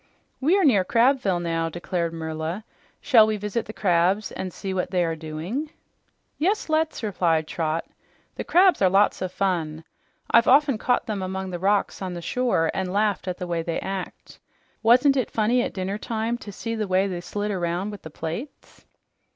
"We are near Crabville now," declared Merla. "Shall we visit the crabs and see what they are doing?" "Yes, let's," replied Trot. "The crabs are lots of fun. I've often caught them among the rocks on the shore and laughed at the way they act. Wasn't it funny at dinnertime to see the way they slid around with the plates?"